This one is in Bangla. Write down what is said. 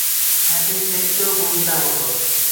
হ্যা, তুমি দেখতেও গুন্ডার মতো।